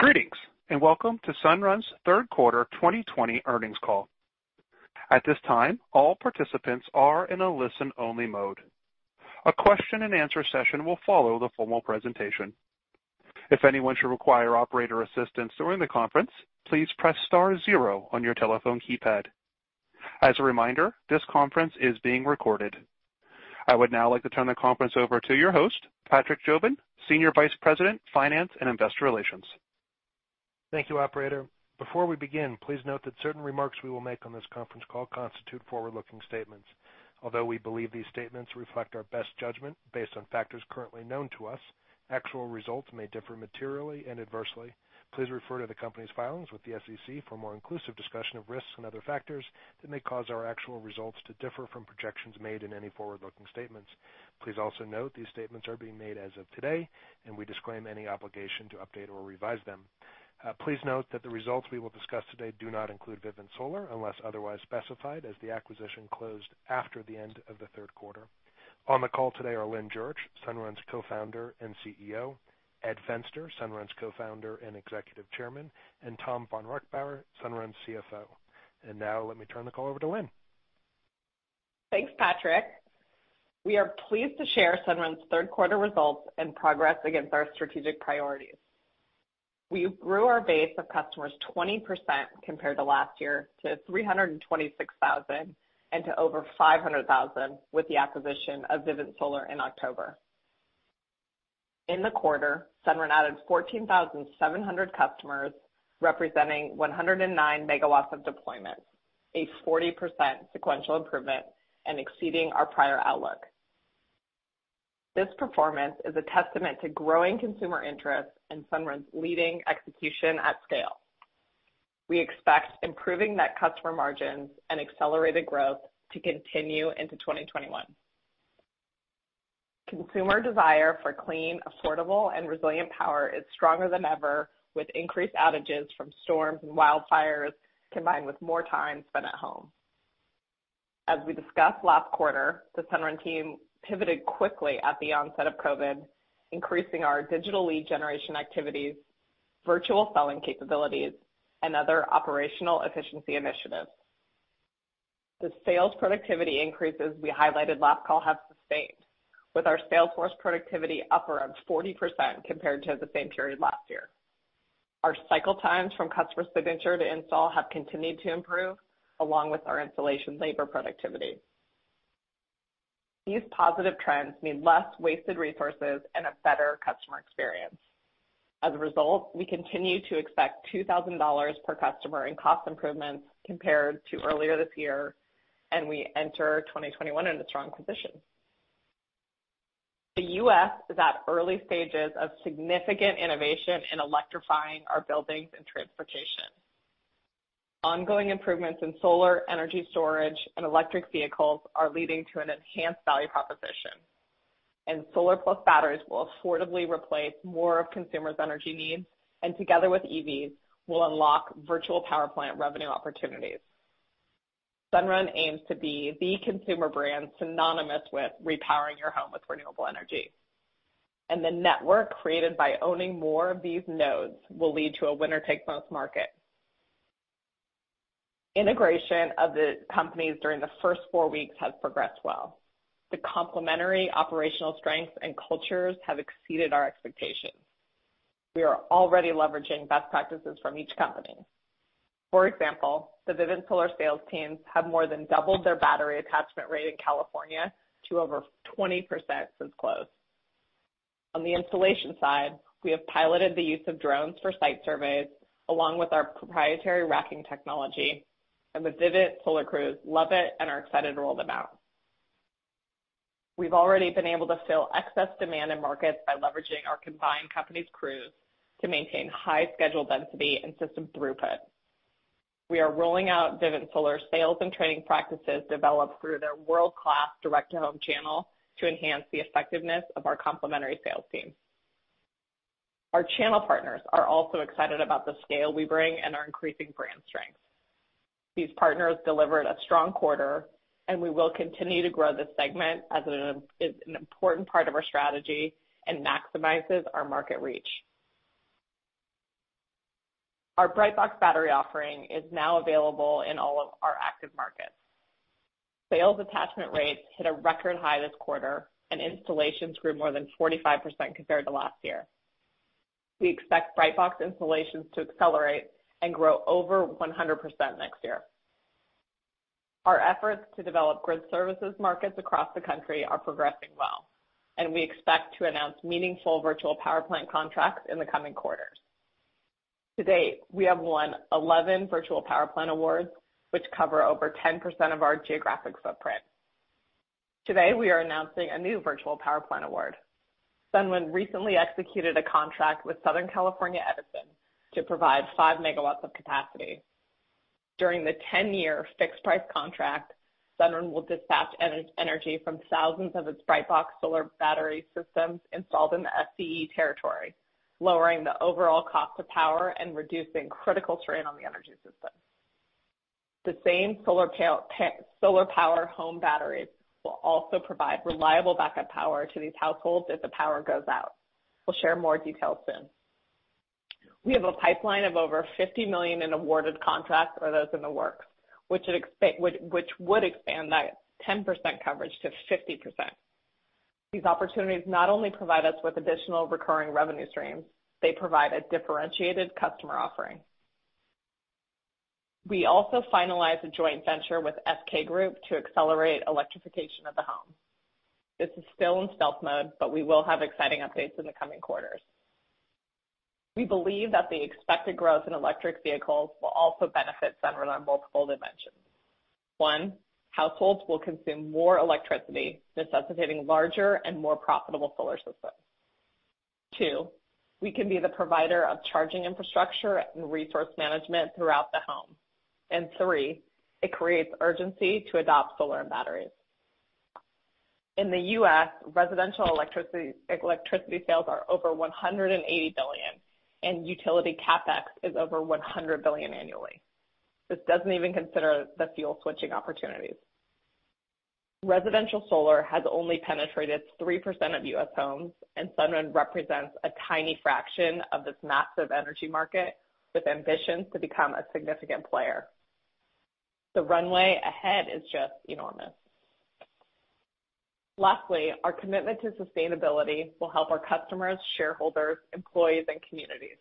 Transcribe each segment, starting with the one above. Greetings, and welcome to Sunrun's Third Quarter 2020 Earnings Call. At this time, all participants are in a listen only mode. A Q&A session will follow the formal presentation. If anyone should require operator assistance during the conference, please press star zero on your telephone keypad. As a reminder, this conference is being recorded. I would now like to turn the conference over to your host, Patrick Jobin, Senior Vice President, Finance and Investor Relations. Thank you, operator. Before we begin, please note that certain remarks we will make on this conference call constitute forward-looking statements. Although we believe these statements reflect our best judgment based on factors currently known to us, actual results may differ materially and adversely. Please refer to the company's filings with the SEC for a more inclusive discussion of risks and other factors that may cause our actual results to differ from projections made in any forward-looking statements. Please also note these statements are being made as of today, and we disclaim any obligation to update or revise them. Please note that the results we will discuss today do not include Vivint Solar unless otherwise specified, as the acquisition closed after the end of the third quarter. On the call today are Lynn Jurich, Sunrun's Co-founder and CEO, Ed Fenster, Sunrun's Co-founder and Executive Chairman, and Tom vonReichbauer, Sunrun's CFO. Now let me turn the call over to Lynn. Thanks, Patrick. We are pleased to share Sunrun's third quarter results and progress against our strategic priorities. We grew our base of customers 20% compared to last year to 326,000, and to over 500,000 with the acquisition of Vivint Solar in October. In the quarter, Sunrun added 14,700 customers, representing 109 megawatts of deployment, a 40% sequential improvement, and exceeding our prior outlook. This performance is a testament to growing consumer interest in Sunrun's leading execution at scale. We expect improving net customer margins and accelerated growth to continue into 2021. Consumer desire for clean, affordable, and resilient power is stronger than ever with increased outages from storms and wildfires, combined with more time spent at home. As we discussed last quarter, the Sunrun team pivoted quickly at the onset of COVID, increasing our digital lead generation activities, virtual selling capabilities, and other operational efficiency initiatives. The sales productivity increases we highlighted last call have sustained, with our sales force productivity up around 40% compared to the same period last year. Our cycle times from customer signature to install have continued to improve, along with our installation labor productivity. These positive trends mean less wasted resources and a better customer experience. As a result, we continue to expect $2,000 per customer in cost improvements compared to earlier this year, and we enter 2021 in a strong position. The U.S. is at early stages of significant innovation in electrifying our buildings and transportation. Ongoing improvements in solar energy storage and electric vehicles are leading to an enhanced value proposition, and solar plus batteries will affordably replace more of consumers' energy needs, and together with EVs, will unlock virtual power plant revenue opportunities. Sunrun aims to be the consumer brand synonymous with repowering your home with renewable energy, and the network created by owning more of these nodes will lead to a winner-takes-most market. Integration of the companies during the first four weeks has progressed well. The complementary operational strengths and cultures have exceeded our expectations. We are already leveraging best practices from each company. For example, the Vivint Solar sales teams have more than doubled their battery attachment rate in California to over 20% since close. On the installation side, we have piloted the use of drones for site surveys, along with our proprietary racking technology, and the Vivint Solar crews love it and are excited to roll them out. We've already been able to fill excess demand in markets by leveraging our combined companies' crews to maintain high schedule density and system throughput. We are rolling out Vivint Solar sales and training practices developed through their world-class direct-to-home channel to enhance the effectiveness of our complementary sales team. Our channel partners are also excited about the scale we bring and our increasing brand strength. These partners delivered a strong quarter, and we will continue to grow this segment as it is an important part of our strategy and maximizes our market reach. Our Brightbox battery offering is now available in all of our active markets. Sales attachment rates hit a record high this quarter, and installations grew more than 45% compared to last year. We expect Brightbox installations to accelerate and grow over 100% next year. Our efforts to develop grid services markets across the country are progressing well, and we expect to announce meaningful virtual power plant contracts in the coming quarters. To date, we have won 11 virtual power plant awards, which cover over 10% of our geographic footprint. Today, we are announcing a new virtual power plant award. Sunrun recently executed a contract with Southern California Edison to provide 5 MW of capacity. During the 10-year fixed price contract, Sunrun will dispatch energy from thousands of its Brightbox solar battery systems installed in the SCE territory, lowering the overall cost of power and reducing critical strain on the energy system. The same solar power home batteries will also provide reliable backup power to these households if the power goes out. We'll share more details soon. We have a pipeline of over $50 million in awarded contracts or those in the works, which would expand that 10%-50% coverage. These opportunities not only provide us with additional recurring revenue streams, they provide a differentiated customer offering. We also finalized a joint venture with SK Group to accelerate electrification of the home. This is still in stealth mode, but we will have exciting updates in the coming quarters. We believe that the expected growth in electric vehicles will also benefit Sunrun on multiple dimensions. One, households will consume more electricity, necessitating larger and more profitable solar systems. Two, we can be the provider of charging infrastructure and resource management throughout the home. Three, it creates urgency to adopt solar and batteries. In the U.S., residential electricity sales are over $180 billion, and utility CapEx is over $100 billion annually. This doesn't even consider the fuel switching opportunities. Residential solar has only penetrated 3% of U.S. homes, and Sunrun represents a tiny fraction of this massive energy market, with ambitions to become a significant player. The runway ahead is just enormous. Lastly, our commitment to sustainability will help our customers, shareholders, employees, and communities.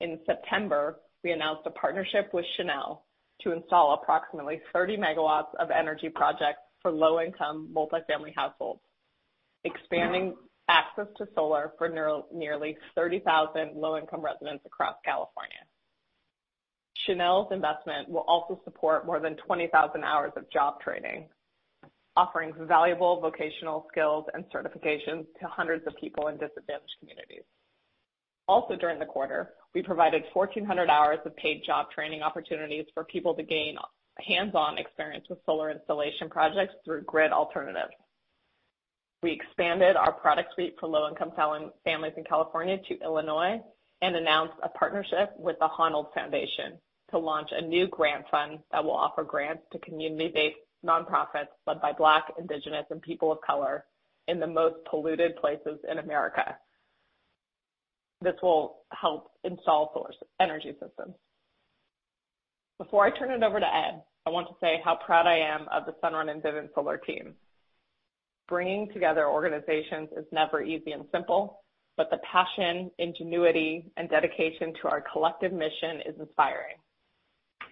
In September, we announced a partnership with CHANEL to install approximately 30 MW of energy projects for low-income multifamily households, expanding access to solar for nearly 30,000 low-income residents across California. CHANEL's investment will also support more than 20,000 hours of job training, offering valuable vocational skills and certifications to hundreds of people in disadvantaged communities. Also during the quarter, we provided 1,400 hours of paid job training opportunities for people to gain hands-on experience with solar installation projects through GRID Alternatives. We expanded our product suite for low-income families in California to Illinois and announced a partnership with the Honnold Foundation to launch a new grant fund that will offer grants to community-based nonprofits led by Black, Indigenous, and people of color in the most polluted places in America. This will help install solar energy systems. Before I turn it over to Ed, I want to say how proud I am of the Sunrun and Vivint Solar team. Bringing together organizations is never easy and simple, but the passion, ingenuity, and dedication to our collective mission is inspiring.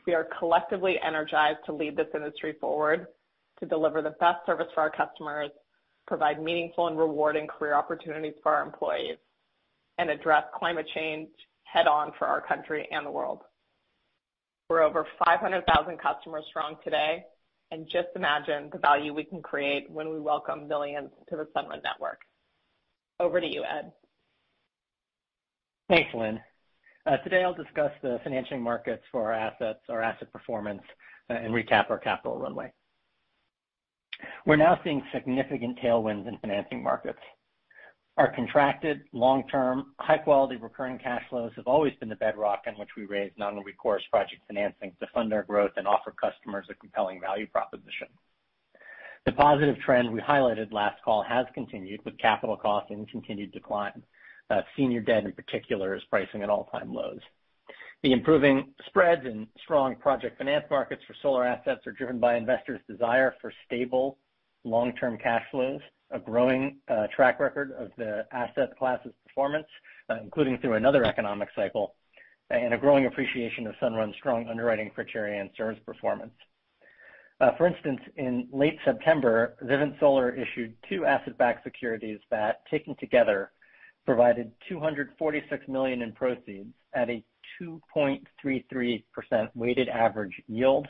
We are collectively energized to lead this industry forward, to deliver the best service for our customers, provide meaningful and rewarding career opportunities for our employees, and address climate change head-on for our country and the world. We're over 500,000 customers strong today, and just imagine the value we can create when we welcome millions to the Sunrun network. Over to you, Ed. Thanks, Lynn. Today I'll discuss the financing markets for our assets, our asset performance, and recap our capital runway. We're now seeing significant tailwinds in financing markets. Our contracted long-term high-quality recurring cash flows have always been the bedrock in which we raise non-recourse project financing to fund our growth and offer customers a compelling value proposition. The positive trend we highlighted last call has continued with capital costs in continued decline. Senior debt in particular is pricing at all-time lows. The improving spreads and strong project finance markets for solar assets are driven by investors' desire for stable long-term cash flows, a growing track record of the asset class' performance, including through another economic cycle, and a growing appreciation of Sunrun's strong underwriting criteria and service performance. For instance, in late September, Vivint Solar issued two asset-backed securities that, taken together, provided $246 million in proceeds at a 2.33% weighted average yield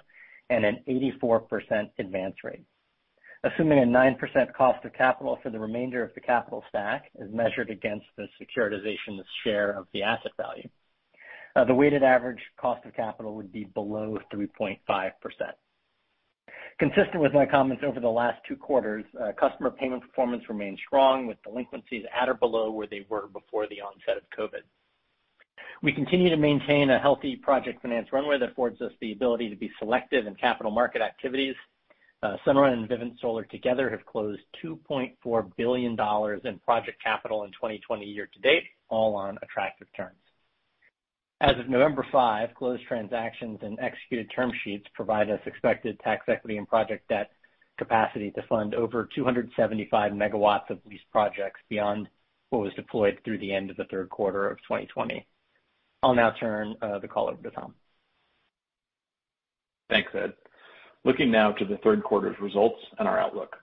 and an 84% advance rate. Assuming a 9% cost of capital for the remainder of the capital stack, as measured against the securitization's share of the asset value, the weighted average cost of capital would be below 3.5%. Consistent with my comments over the last two quarters, customer payment performance remains strong, with delinquencies at or below where they were before the onset of COVID. We continue to maintain a healthy project finance runway that affords us the ability to be selective in capital market activities. Sunrun and Vivint Solar together have closed $2.4 billion in project capital in 2020 year to date, all on attractive terms. As of November 5, closed transactions and executed term sheets provide us expected tax equity and project debt capacity to fund over 275 MW of leased projects beyond what was deployed through the end of the third quarter of 2020. I'll now turn the call over to Tom. Thanks, Ed. Looking now to the third quarter's results and our outlook.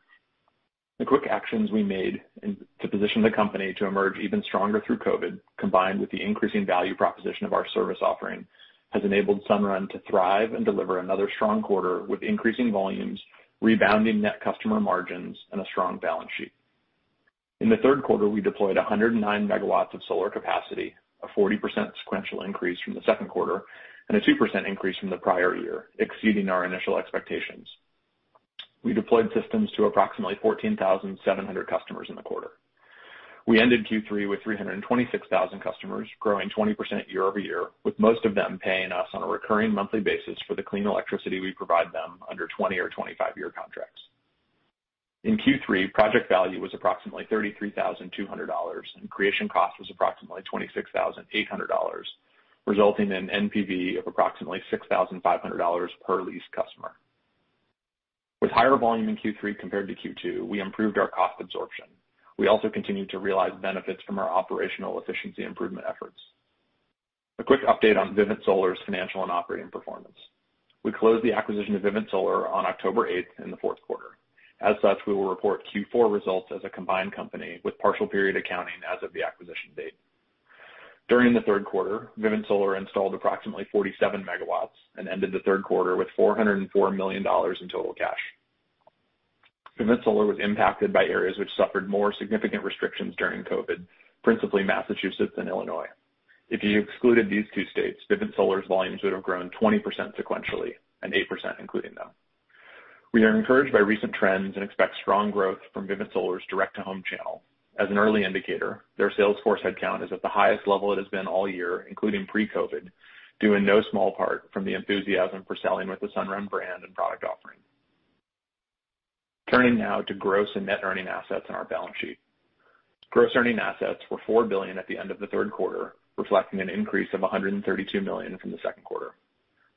The quick actions we made to position the company to emerge even stronger through COVID, combined with the increasing value proposition of our service offering, has enabled Sunrun to thrive and deliver another strong quarter with increasing volumes, rebounding net customer margins, and a strong balance sheet. In the third quarter, we deployed 109 MW of solar capacity, a 40% sequential increase from the second quarter, and a 2% increase from the prior year, exceeding our initial expectations. We deployed systems to approximately 14,700 customers in the quarter. We ended Q3 with 326,000 customers, growing 20% year-over-year, with most of them paying us on a recurring monthly basis for the clean electricity we provide them under 20 or 25-year contracts. In Q3, project value was approximately $33,200, and creation cost was approximately $26,800, resulting in an NPV of approximately $6,500 per leased customer. With higher volume in Q3 compared to Q2, we improved our cost absorption. We also continued to realize benefits from our operational efficiency improvement efforts. A quick update on Vivint Solar's financial and operating performance. We closed the acquisition of Vivint Solar on October 8th in the fourth quarter. As such, we will report Q4 results as a combined company with partial period accounting as of the acquisition date. During the third quarter, Vivint Solar installed approximately 47 MW and ended the third quarter with $404 million in total cash. Vivint Solar was impacted by areas which suffered more significant restrictions during COVID, principally Massachusetts and Illinois. If you excluded these two states, Vivint Solar's volumes would have grown 20% sequentially, and 8% including them. We are encouraged by recent trends and expect strong growth from Vivint Solar's direct-to-home channel. As an early indicator, their sales force headcount is at the highest level it has been all year, including pre-COVID, due in no small part from the enthusiasm for selling with the Sunrun brand and product offering. Turning now to gross and net earning assets on our balance sheet. Gross earning assets were $4 billion at the end of the third quarter, reflecting an increase of $132 million from the second quarter.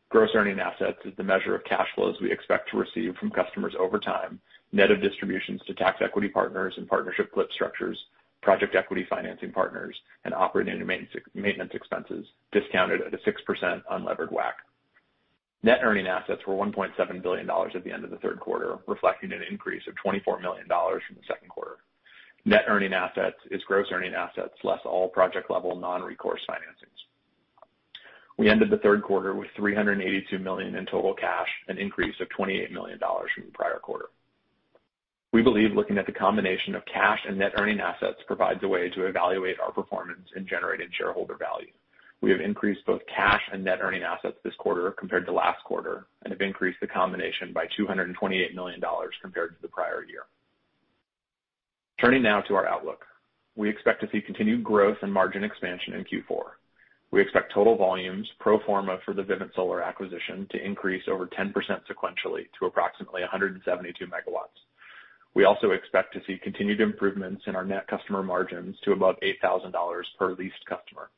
Gross earning assets is the measure of cash flows we expect to receive from customers over time, net of distributions to tax equity partners and partnership flip structures, project equity financing partners, and operating and maintenance expenses, discounted at a 6% unlevered WACC. Net earning assets were $1.7 billion at the end of the third quarter, reflecting an increase of $24 million from the second quarter. Net earning assets is gross earning assets less all project-level non-recourse financings. We ended the third quarter with $382 million in total cash, an increase of $28 million from the prior quarter. We believe looking at the combination of cash and net earning assets provides a way to evaluate our performance in generating shareholder value. We have increased both cash and net earning assets this quarter compared to last quarter, and have increased the combination by $228 million compared to the prior year. Turning now to our outlook. We expect to see continued growth and margin expansion in Q4. We expect total volumes pro forma for the Vivint Solar acquisition to increase over 10% sequentially to approximately 172 megawatts. We also expect to see continued improvements in our net customer margins to above $8,000 per leased customer.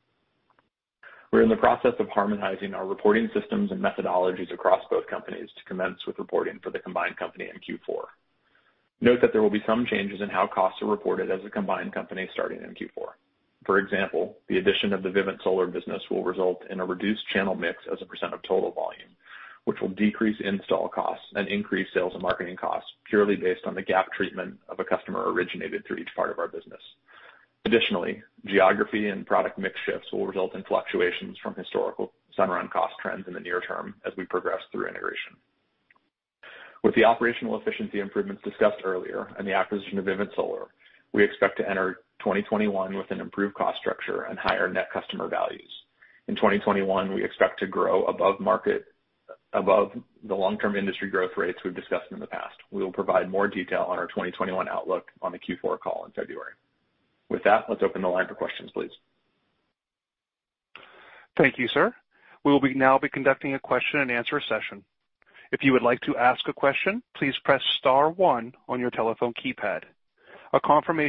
We're in the process of harmonizing our reporting systems and methodologies across both companies to commence with reporting for the combined company in Q4. Note that there will be some changes in how costs are reported as a combined company starting in Q4. For example, the addition of the Vivint Solar business will result in a reduced channel mix as a percent of total volume, which will decrease install costs and increase sales and marketing costs purely based on the GAAP treatment of a customer originated through each part of our business. Additionally, geography and product mix shifts will result in fluctuations from historical Sunrun cost trends in the near term as we progress through integration. With the operational efficiency improvements discussed earlier and the acquisition of Vivint Solar, we expect to enter 2021 with an improved cost structure and higher net customer values. In 2021, we expect to grow above the long-term industry growth rates we've discussed in the past. We will provide more detail on our 2021 outlook on the Q4 call in February. With that, let's open the line for questions, please. Thank you, sir. Our first question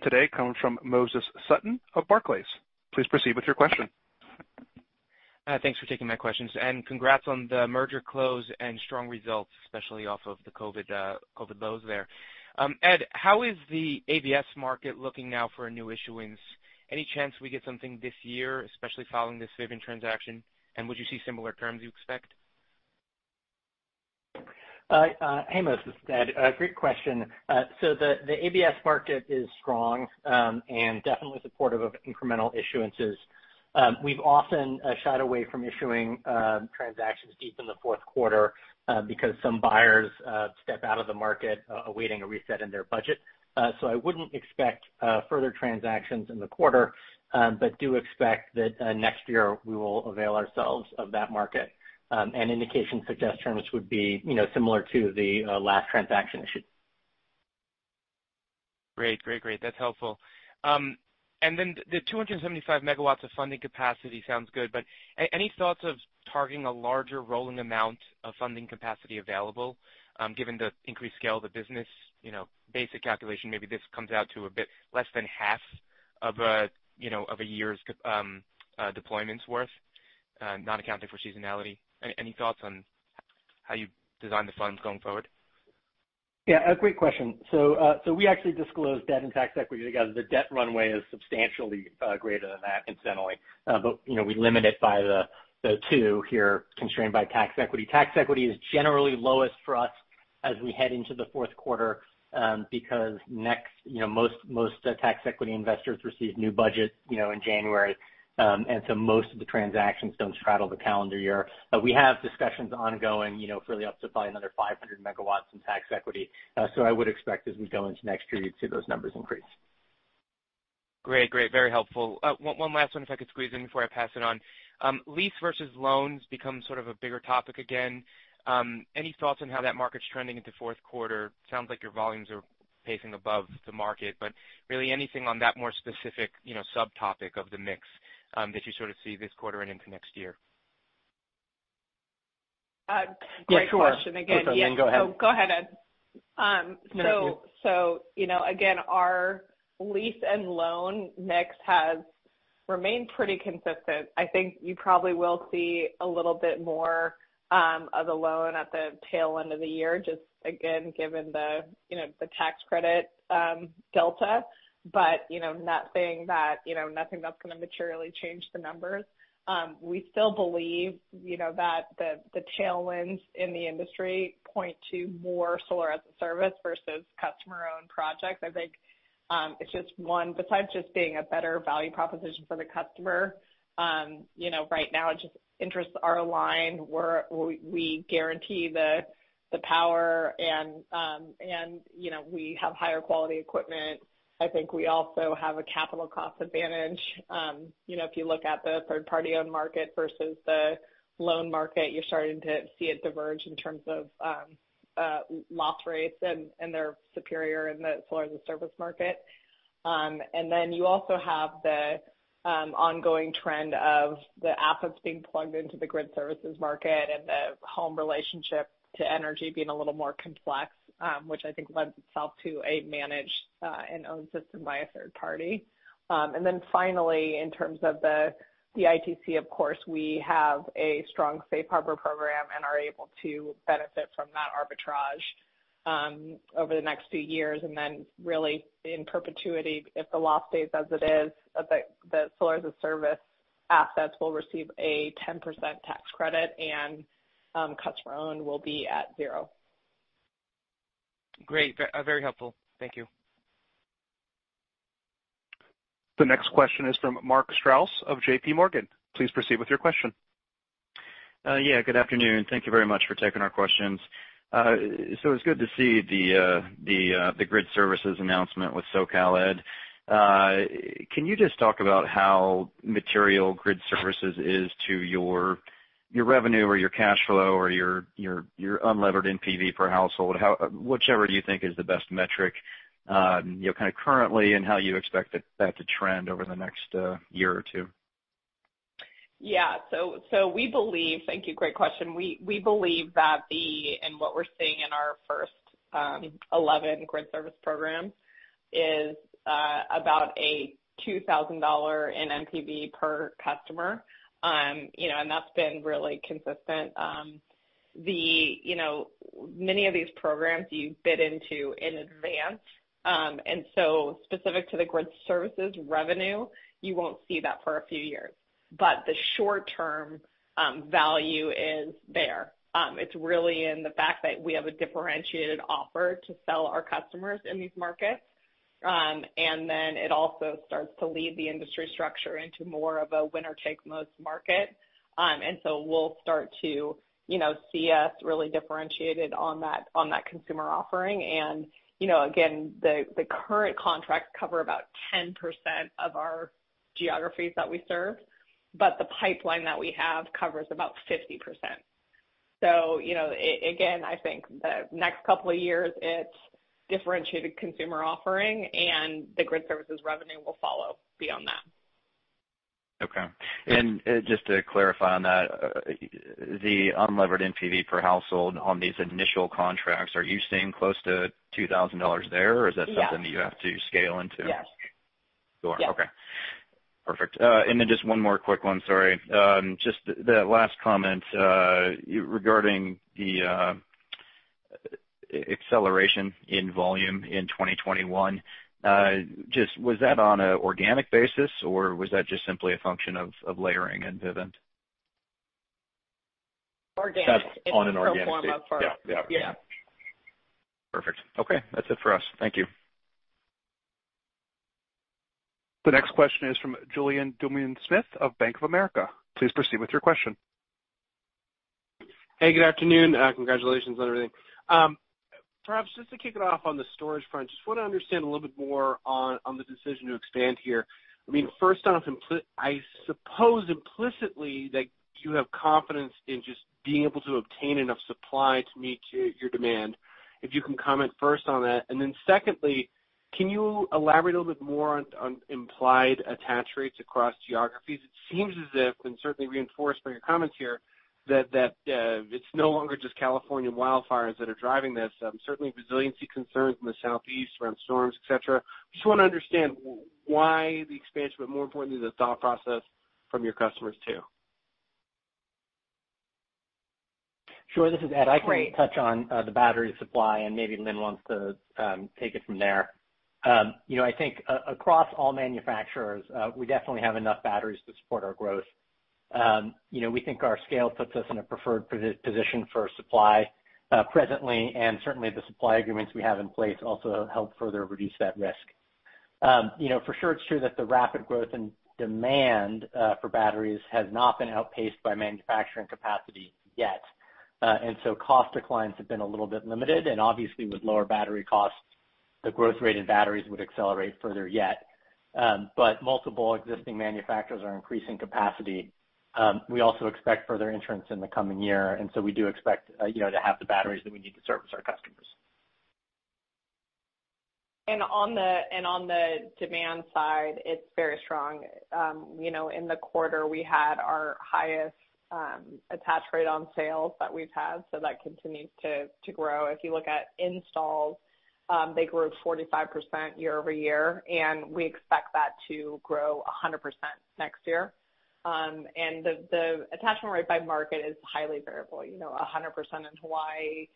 today comes from Moses Sutton of Barclays. Please proceed with your question. Thanks for taking my questions. Congrats on the merger close and strong results, especially off of the COVID lows there. Ed, how is the ABS market looking now for new issuance? Any chance we get something this year, especially following this Vivint transaction? Would you see similar terms you expect? Hey, Moses. Ed. Great question. The ABS market is strong and definitely supportive of incremental issuances. We've often shied away from issuing transactions deep in the fourth quarter because some buyers step out of the market awaiting a reset in their budget. I wouldn't expect further transactions in the quarter, but do expect that next year we will avail ourselves of that market, and indications suggest terms would be similar to the last transaction issued. Great. That's helpful. Then the 275 MW of funding capacity sounds good, but any thoughts of targeting a larger rolling amount of funding capacity available given the increased scale of the business? Basic calculation, maybe this comes out to a bit less than half of a year's deployment's worth, not accounting for seasonality. Any thoughts on how you design the funds going forward? Yeah, great question. We actually disclosed debt and tax equity together. The debt runway is substantially greater than that, incidentally. We limit it by the two here constrained by tax equity. Tax equity is generally lowest for us as we head into the fourth quarter, because most tax equity investors receive new budgets in January. Most of the transactions don't straddle the calendar year. We have discussions ongoing to upsize by another 500 megawatts in tax equity. I would expect as we go into next year, you'd see those numbers increase. Great. Very helpful. One last one if I could squeeze in before I pass it on. Lease versus loans become sort of a bigger topic again. Any thoughts on how that market's trending into fourth quarter? Sounds like your volumes are pacing above the market, but really anything on that more specific subtopic of the mix that you sort of see this quarter and into next year? Great question again. Yeah, sure. Go ahead, Lynn. Go ahead, Ed. No, thank you. Again, our lease and loan mix has remained pretty consistent. I think you probably will see a little bit more of the loan at the tail end of the year, just again, given the tax credit delta. Nothing that's going to materially change the numbers. We still believe that the tailwinds in the industry point to more solar as a service versus customer-owned projects. I think it's just one, besides just being a better value proposition for the customer. Right now, interests are aligned where we guarantee the power and we have higher quality equipment. I think we also have a capital cost advantage. If you look at the third party-owned market versus the loan market, you're starting to see it diverge in terms of loss rates and they're superior in the solar as a service market. You also have the ongoing trend of the assets being plugged into the grid services market and the home relationship to energy being a little more complex, which I think lends itself to a managed and owned system by a third party. Finally, in terms of the ITC, of course, we have a strong safe harbor program and are able to benefit from that arbitrage over the next few years. Really in perpetuity, if the law stays as it is, the solar as a service assets will receive a 10% tax credit and customer-owned will be at zero. Great. Very helpful. Thank you. The next question is from Mark Strouse of JPMorgan. Please proceed with your question. Yeah, good afternoon. Thank you very much for taking our questions. It's good to see the grid services announcement with SoCalEd. Can you just talk about how material grid services is to your revenue or your cash flow or your unlevered NPV per household? Whichever you think is the best metric kind of currently and how you expect that to trend over the next year or two. Yeah. Thank you. Great question. We believe that what we're seeing in our first 11 grid service programs is about a $2,000 in NPV per customer. That's been really consistent. Many of these programs you bid into in advance. Specific to the grid services revenue, you won't see that for a few years, but the short-term value is there. It's really in the fact that we have a differentiated offer to sell our customers in these markets. It also starts to lead the industry structure into more of a winner-take-most market. We'll start to see us really differentiated on that consumer offering. Again, the current contracts cover about 10% of our geographies that we serve, but the pipeline that we have covers about 50%. Again, I think the next couple of years it's differentiated consumer offering and the grid services revenue will follow beyond that. Okay. Just to clarify on that, the unlevered NPV per household on these initial contracts, are you seeing close to $2,000 there? Yeah. Is that something that you have to scale into? Yes. Sure. Okay. Perfect. Then just one more quick one, sorry. Just the last comment regarding the acceleration in volume in 2021. Just was that on an organic basis or was that just simply a function of layering in Vivint? Organic. That's on an organic basis. It's pro forma. Yeah. Yeah. Perfect. Okay. That's it for us. Thank you. The next question is from Julien Dumoulin-Smith of Bank of America. Please proceed with your question. Hey, good afternoon. Congratulations on everything. Perhaps just to kick it off on the storage front, just want to understand a little bit more on the decision to expand here. First off, I suppose implicitly that you have confidence in just being able to obtain enough supply to meet your demand. If you can comment first on that. Then secondly, can you elaborate a little bit more on implied attach rates across geographies? It seems as if, and certainly reinforced by your comments here, that it's no longer just California wildfires that are driving this. Certainly resiliency concerns in the Southeast around storms, et cetera. Just want to understand why the expansion, but more importantly, the thought process from your customers, too. Sure. This is Ed. Great. I can touch on the battery supply and maybe Lynn wants to take it from there. I think across all manufacturers, we definitely have enough batteries to support our growth. We think our scale puts us in a preferred position for supply presently, and certainly the supply agreements we have in place also help further reduce that risk. For sure it's true that the rapid growth in demand for batteries has not been outpaced by manufacturing capacity yet. Cost declines have been a little bit limited, and obviously with lower battery costs, the growth rate in batteries would accelerate further yet. Multiple existing manufacturers are increasing capacity. We also expect further entrants in the coming year, and so we do expect to have the batteries that we need to service our customers. On the demand side, it's very strong. In the quarter, we had our highest attach rate on sales that we've had, that continues to grow. If you look at installs, they grew 45% year-over-year, we expect that to grow 100% next year. The attachment rate by market is highly variable, 100% in Hawaii.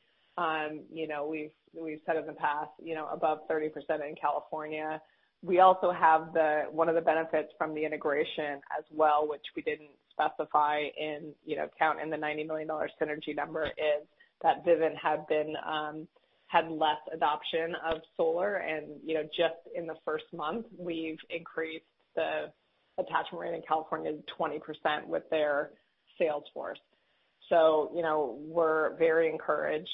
We've said in the past, above 30% in California. We also have one of the benefits from the integration as well, which we didn't specify in count in the $90 million synergy number is that Vivint had less adoption of solar and just in the first month, we've increased the attachment rate in California 20% with their sales force. We're very encouraged,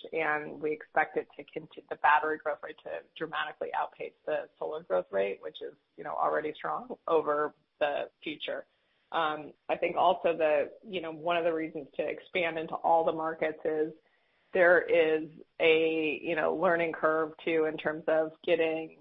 we expect the battery growth rate to dramatically outpace the solar growth rate, which is already strong over the future. I think also one of the reasons to expand into all the markets is there is a learning curve, too, in terms of getting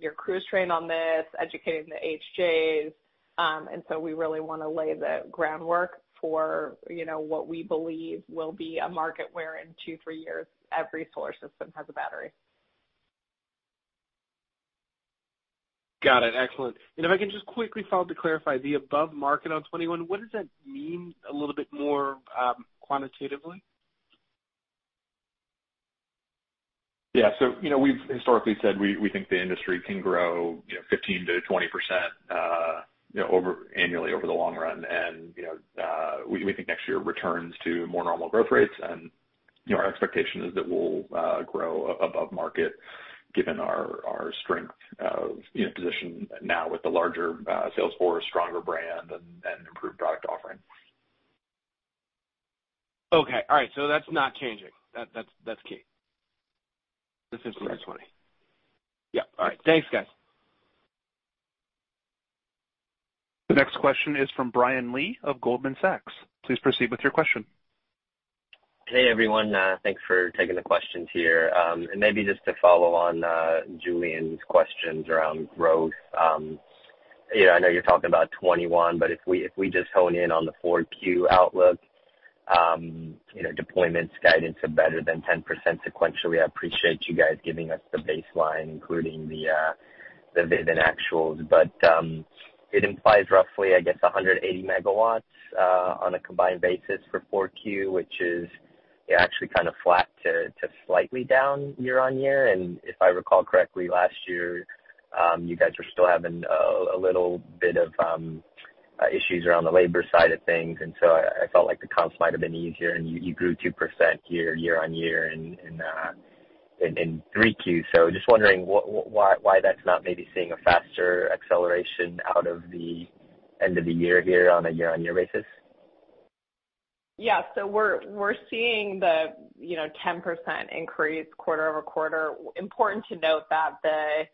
your crews trained on this, educating the AHJs. We really want to lay the groundwork for what we believe will be a market where in two, three years, every solar system has a battery. Got it. Excellent. If I can just quickly follow to clarify the above market on 2021, what does that mean a little bit more quantitatively? Yeah. We've historically said we think the industry can grow 15%-20% annually over the long run. We think next year returns to more normal growth rates, and our expectation is that we'll grow above market given our strength of position now with the larger sales force, stronger brand, and improved product offering. Okay. All right. That's not changing. That's key. Correct. This is for 2020. Yep, all right. Thanks, guys. The next question is from Brian Lee of Goldman Sachs. Please proceed with your question. Hey, everyone. Thanks for taking the questions here. Maybe just to follow on Julien's questions around growth. I know you're talking about 2021, if we just hone in on the 4Q outlook, deployments guidance of better than 10% sequentially. I appreciate you guys giving us the baseline, including the Vivint actuals. It implies roughly, I guess, 180 megawatts on a combined basis for 4Q, which is actually kind of flat to slightly down year-on-year. If I recall correctly, last year, you guys were still having a little bit of issues around the labor side of things, and so I felt like the comps might have been easier and you grew 2% year-on-year in 3Q. Just wondering why that's not maybe seeing a faster acceleration out of the end of the year here on a year-on-year basis. Yeah. We're seeing the 10% increase quarter-over-quarter. Important to note that the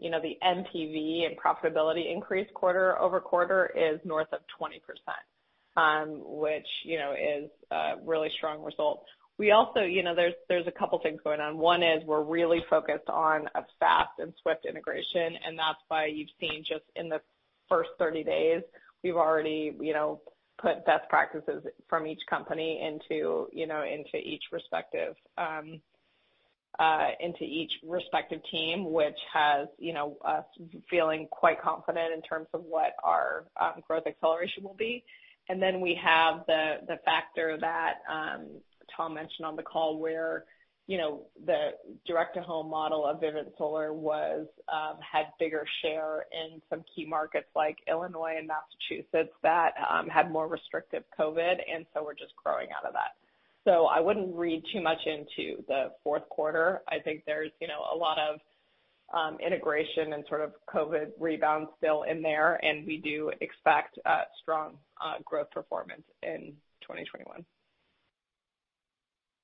NPV and profitability increase quarter-over-quarter is north of 20%, which is a really strong result. There's a couple things going on. One is we're really focused on a fast and swift integration, and that's why you've seen just in the first 30 days, we've already put best practices from each company into each respective team, which has us feeling quite confident in terms of what our growth acceleration will be. We have the factor that Tom mentioned on the call where the direct-to-home model of Vivint Solar had bigger share in some key markets like Illinois and Massachusetts that had more restrictive COVID, and so we're just growing out of that. I wouldn't read too much into the fourth quarter. I think there's a lot of integration and sort of COVID rebound still in there, and we do expect a strong growth performance in 2021.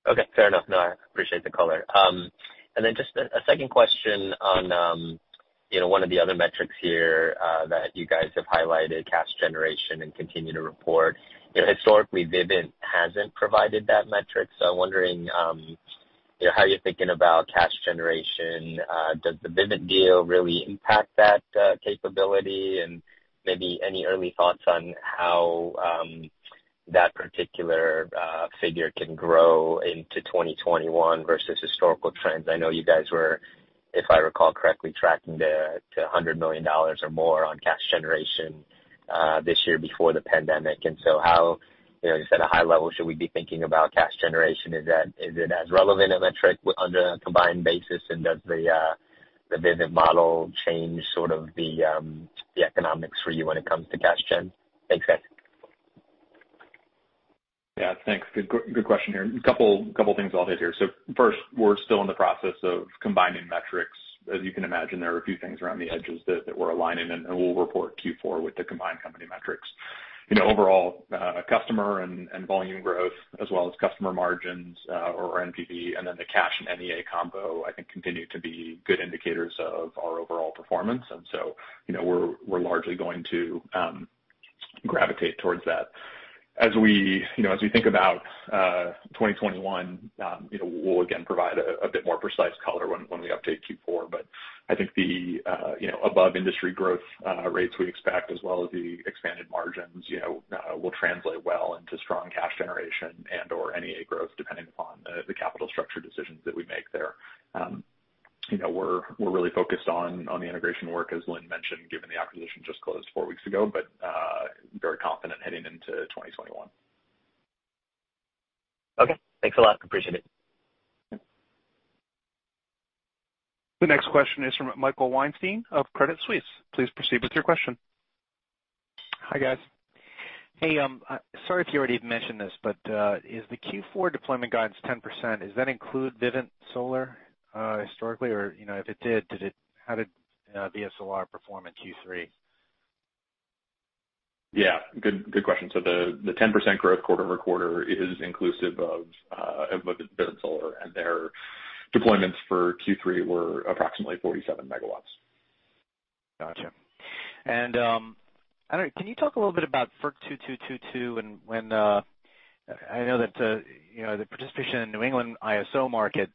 Okay. Fair enough. No, I appreciate the color. Just a second question on one of the other metrics here that you guys have highlighted, cash generation and continue to report. Historically, Vivint hasn't provided that metric, so I'm wondering how you're thinking about cash generation. Does the Vivint deal really impact that capability? Maybe any early thoughts on how that particular figure can grow into 2021 versus historical trends? I know you guys were, if I recall correctly, tracking to $100 million or more on cash generation this year before the pandemic. Just at a high level, should we be thinking about cash generation? Is it as relevant a metric under a combined basis? Does the Vivint model change the economics for you when it comes to cash gen? Thanks, guys. Thanks. Good question here. A couple things I'll hit here. First, we're still in the process of combining metrics. As you can imagine, there are a few things around the edges that we're aligning and we'll report Q4 with the combined company metrics. Overall, customer and volume growth as well as customer margins or NPV and then the cash and NEA combo, I think continue to be good indicators of our overall performance. We're largely going to gravitate towards that. As we think about 2021, we'll again provide a bit more precise color when we update Q4. I think the above-industry growth rates we expect, as well as the expanded margins will translate well into strong cash generation and/or NEA growth, depending upon the capital structure decisions that we make there. We're really focused on the integration work, as Lynn mentioned, given the acquisition just closed four weeks ago, but very confident heading into 2021. Okay. Thanks a lot. Appreciate it. Yeah. The next question is from Michael Weinstein of Credit Suisse. Please proceed with your question. Hi, guys. Hey, sorry if you already mentioned this, is the Q4 deployment guidance 10%? Does that include Vivint Solar historically? If it did, how did VSLR perform in Q3? Yeah. Good question. The 10% growth quarter-over-quarter is inclusive of Vivint Solar, and their deployments for Q3 were approximately 47 megawatts. Got you. I don't know, can you talk a little bit about FERC 2222 and when I know that the participation in ISO New England market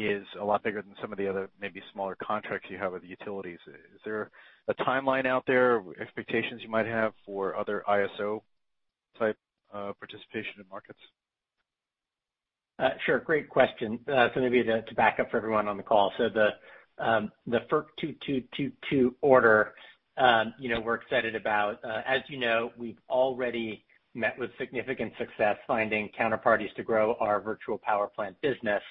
is a lot bigger than some of the other maybe smaller contracts you have with the utilities? Is there a timeline out there, expectations you might have for other ISO-type participation in markets? Sure. Great question. Maybe to back up for everyone on the call. The FERC 2222 order we're excited about. As you know, we've already met with significant success finding counterparties to grow our virtual power plant business.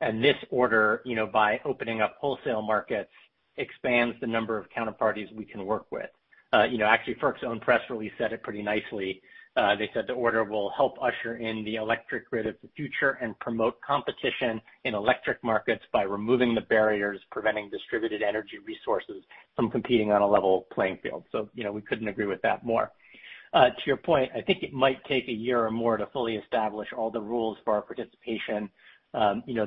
This order, by opening up wholesale markets, expands the number of counterparties we can work with. Actually, FERC's own press release said it pretty nicely. They said the order will help usher in the electric grid of the future and promote competition in electric markets by removing the barriers preventing distributed energy resources from competing on a level playing field. We couldn't agree with that more. To your point, I think it might take a year or more to fully establish all the rules for our participation.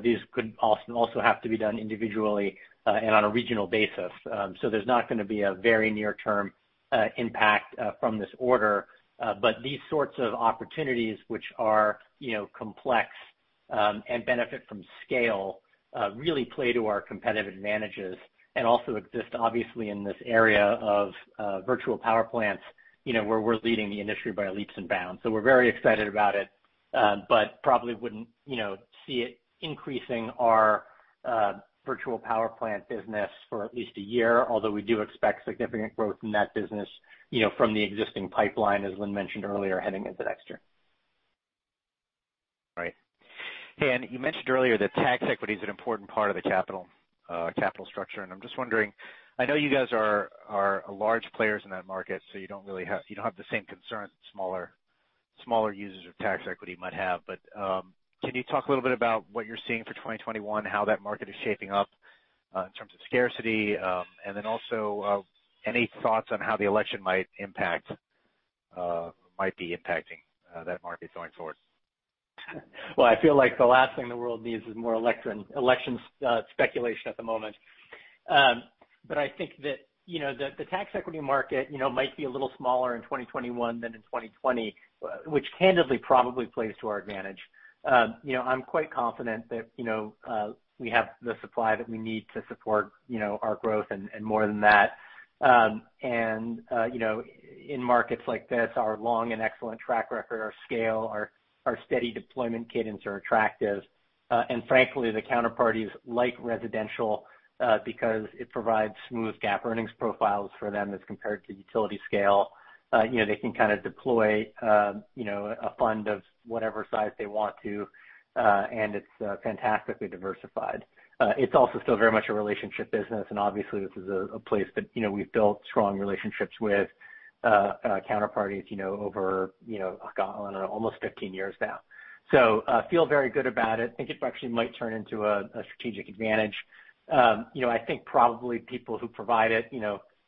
These could also have to be done individually and on a regional basis. There's not going to be a very near-term impact from this order. These sorts of opportunities, which are complex and benefit from scale really play to our competitive advantages and also exist obviously in this area of virtual power plants where we're leading the industry by leaps and bounds. We're very excited about it. Probably wouldn't see it increasing our virtual power plant business for at least a year, although we do expect significant growth in that business from the existing pipeline, as Lynn mentioned earlier, heading into next year. Right. Hey, you mentioned earlier that tax equity is an important part of the capital structure, and I'm just wondering, I know you guys are large players in that market, so you don't have the same concerns that smaller users of tax equity might have. Can you talk a little bit about what you're seeing for 2021, how that market is shaping up in terms of scarcity? Then also any thoughts on how the election might be impacting that market going forward? Well, I feel like the last thing the world needs is more election speculation at the moment. I think that the tax equity market might be a little smaller in 2021 than in 2020, which candidly probably plays to our advantage. I'm quite confident that we have the supply that we need to support our growth and more than that. In markets like this, our long and excellent track record, our scale, our steady deployment cadence are attractive. Frankly, the counterparties like residential because it provides smooth GAAP earnings profiles for them as compared to utility scale. They can deploy a fund of whatever size they want to. It's fantastically diversified. It's also still very much a relationship business, and obviously this is a place that we've built strong relationships with counterparties over almost 15 years now. Feel very good about it. Think it actually might turn into a strategic advantage. I think probably people who provide it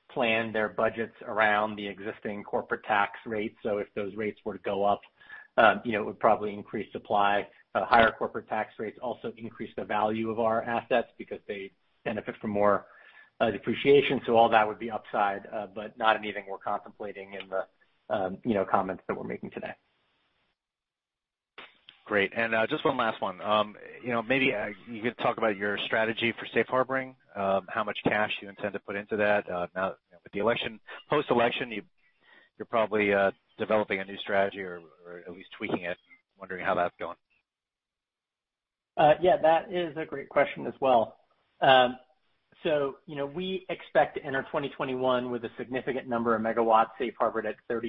plan their budgets around the existing corporate tax rates. If those rates were to go up it would probably increase supply. Higher corporate tax rates also increase the value of our assets because they benefit from more depreciation. All that would be upside. Not anything we're contemplating in the comments that we're making today. Great. Just one last one. Maybe you could talk about your strategy for safe harboring, how much cash you intend to put into that. With the election, post-election, you're probably developing a new strategy or at least tweaking it. Wondering how that's going. Yeah, that is a great question as well. We expect to enter 2021 with a significant number of megawatts safe harbored at 30%.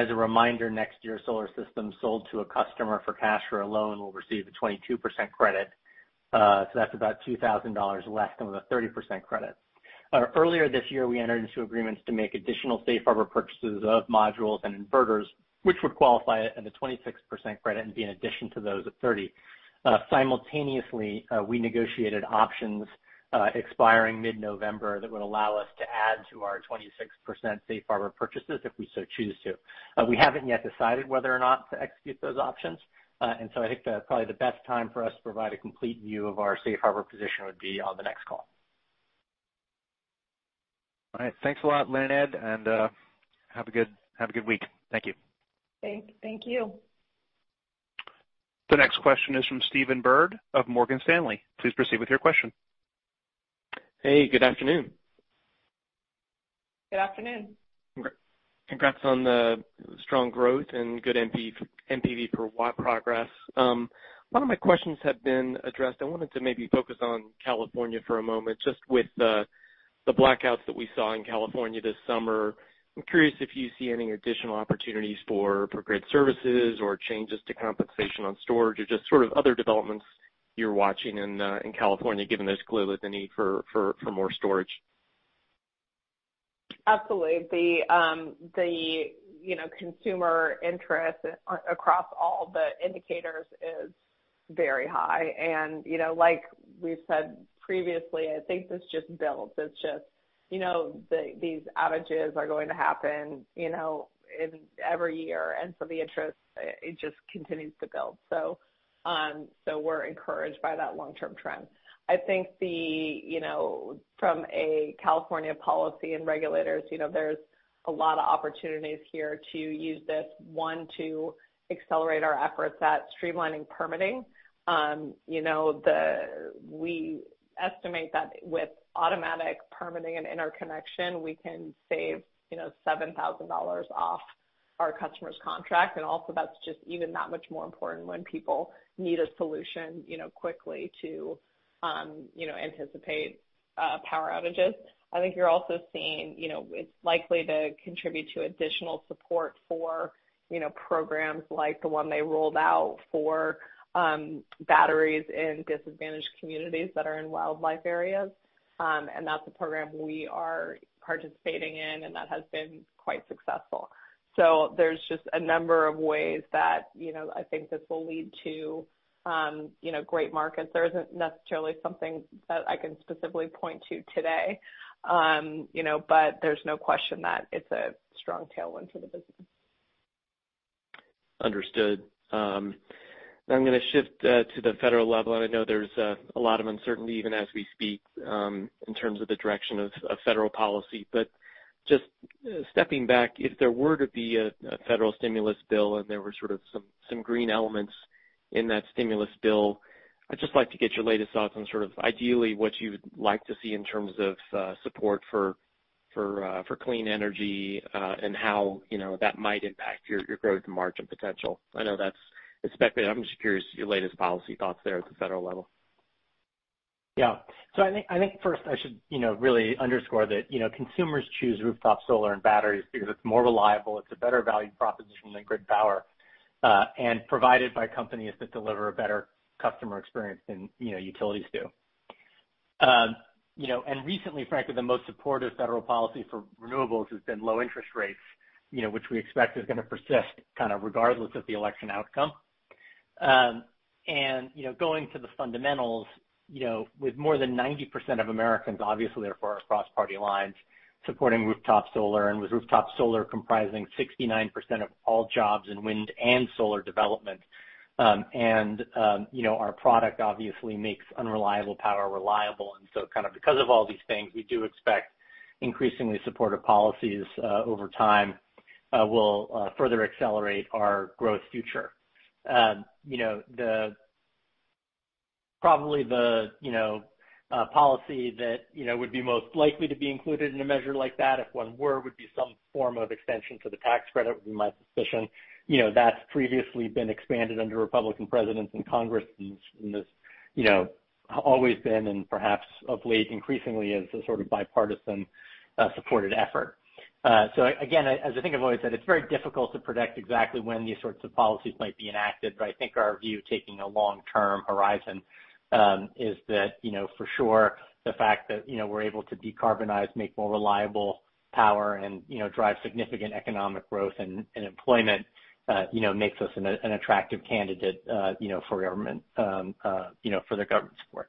As a reminder, next year, solar systems sold to a customer for cash or a loan will receive a 22% credit. That's about $2,000 less than with a 30% credit. Earlier this year, we entered into agreements to make additional safe harbor purchases of modules and inverters, which would qualify at a 26% credit and be in addition to those at 30%. Simultaneously, we negotiated options expiring mid-November that would allow us to add to our 26% safe harbor purchases if we so choose to. We haven't yet decided whether or not to execute those options. I think probably the best time for us to provide a complete view of our safe harbor position would be on the next call. All right. Thanks a lot, Lynn and Ed, and have a good week. Thank you. Thank you. The next question is from Stephen Byrd of Morgan Stanley. Please proceed with your question. Hey, good afternoon. Good afternoon. Congrats on the strong growth and good NPV per watt progress. A lot of my questions have been addressed. I wanted to maybe focus on California for a moment, just with the blackouts that we saw in California this summer. I'm curious if you see any additional opportunities for grid services or changes to compensation on storage, or just sort of other developments you're watching in California, given there's clearly the need for more storage. Absolutely. The consumer interest across all the indicators is very high. Like we've said previously, I think this just builds. It's just these outages are going to happen every year. The interest, it just continues to build. We're encouraged by that long-term trend. I think from a California policy and regulators, there's a lot of opportunities here to use this, one, to accelerate our efforts at streamlining permitting. We estimate that with automatic permitting and interconnection, we can save $7,000 off our customer's contract, and also that's just even that much more important when people need a solution quickly to anticipate power outages. I think you're also seeing it's likely to contribute to additional support for programs like the one they rolled out for batteries in disadvantaged communities that are in wildlife areas. That's a program we are participating in, and that has been quite successful. There's just a number of ways that I think this will lead to great markets. There isn't necessarily something that I can specifically point to today. There's no question that it's a strong tailwind for the business. Understood. I'm going to shift to the federal level, I know there's a lot of uncertainty even as we speak, in terms of the direction of federal policy. Just stepping back, if there were to be a federal stimulus bill and there were sort of some green elements in that stimulus bill, I'd just like to get your latest thoughts on sort of ideally what you'd like to see in terms of support for clean energy, and how that might impact your growth and margin potential. I know that's speculative. I'm just curious your latest policy thoughts there at the federal level. I think first I should really underscore that consumers choose rooftop solar and batteries because it's more reliable, it's a better value proposition than grid power, and provided by companies that deliver a better customer experience than utilities do. Recently, frankly, the most supportive federal policy for renewables has been low interest rates which we expect is going to persist kind of regardless of the election outcome. Going to the fundamentals, with more than 90% of Americans, obviously therefore across party lines, supporting rooftop solar, and with rooftop solar comprising 69% of all jobs in wind and solar development. Our product obviously makes unreliable power reliable. Kind of because of all these things, we do expect increasingly supportive policies over time will further accelerate our growth future. Probably the policy that would be most likely to be included in a measure like that if one were, would be some form of extension to the tax credit, would be my suspicion. That's previously been expanded under Republican presidents and Congress, has always been, perhaps of late, increasingly as a sort of bipartisan supported effort. Again, as I think I've always said, it's very difficult to predict exactly when these sorts of policies might be enacted. I think our view, taking a long-term horizon, is that for sure the fact that we're able to decarbonize, make more reliable power, and drive significant economic growth and employment makes us an attractive candidate for the government support.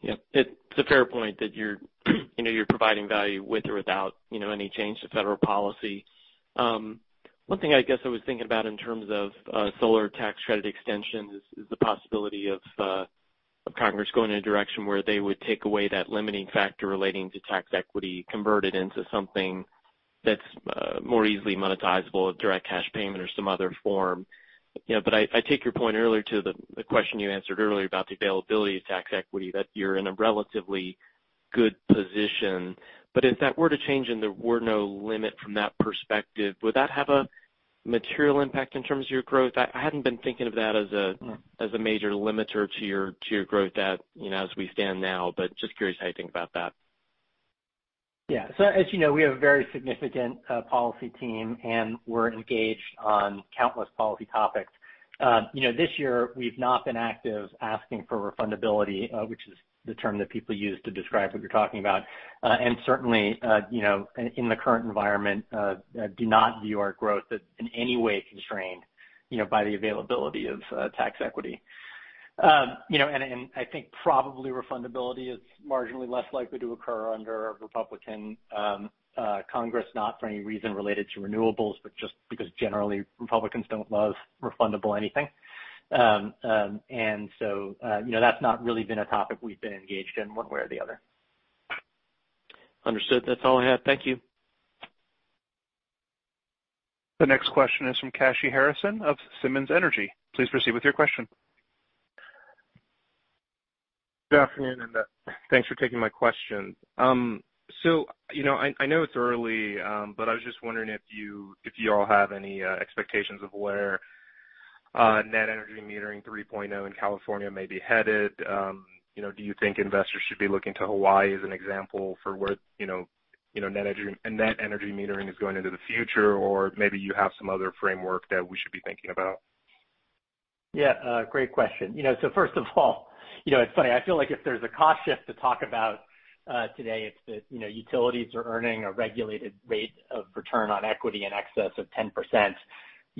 Yeah. It's a fair point that you're providing value with or without any change to federal policy. One thing I guess I was thinking about in terms of solar tax credit extensions is the possibility of Congress going in a direction where they would take away that limiting factor relating to tax equity converted into something that's more easily monetizable, a direct cash payment or some other form. I take your point earlier to the question you answered earlier about the availability of tax equity, that you're in a relatively good position. If that were to change and there were no limit from that perspective, would that have a material impact in terms of your growth? I hadn't been thinking of that as a major limiter to your growth as we stand now, but just curious how you think about that. Yeah. As you know, we have a very significant policy team, and we're engaged on countless policy topics. This year, we've not been active asking for refundability, which is the term that people use to describe what you're talking about. Certainly, in the current environment, do not view our growth as in any way constrained by the availability of tax equity. I think probably refundability is marginally less likely to occur under a Republican Congress, not for any reason related to renewables, but just because generally Republicans don't love refundable anything. That's not really been a topic we've been engaged in one way or the other. Understood. That's all I had. Thank you. The next question is from Kashy Harrison of Simmons Energy. Please proceed with your question. Good afternoon, and thanks for taking my question. I know it's early, but I was just wondering if you all have any expectations of where Net Energy Metering 3.0 in California may be headed. Do you think investors should be looking to Hawaii as an example for where Net Energy Metering is going into the future? Maybe you have some other framework that we should be thinking about? Yeah. Great question. First of all, it's funny. I feel like if there's a cost shift to talk about today, it's that utilities are earning a regulated rate of return on equity in excess of 10%,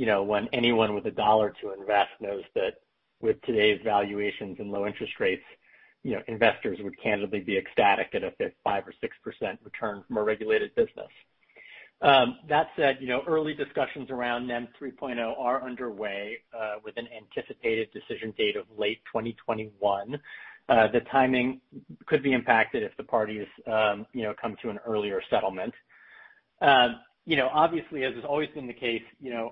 when anyone with a dollar to invest knows that with today's valuations and low interest rates, investors would candidly be ecstatic at a 5% or 6% return from a regulated business. That said, early discussions around NEM 3.0 are underway, with an anticipated decision date of late 2021. The timing could be impacted if the parties come to an earlier settlement. Obviously, as has always been the case